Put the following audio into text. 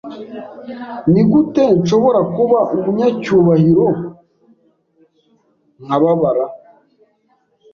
Nigute nshobora kuba umunyacyubahiro nkababara